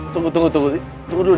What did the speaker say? tunggu tunggu tunggu